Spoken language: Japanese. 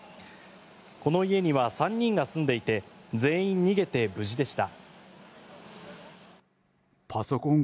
この家には３人が住んでいて全員逃げて無事でした。